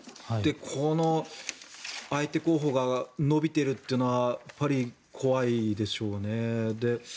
で、この相手候補が伸びてるっていうのはやっぱり怖いでしょうね。